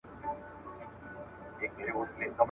هیري کړي مو نغمې وزرونه وچ دي `